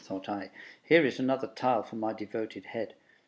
thought I: "here is another tile for my devoted head.")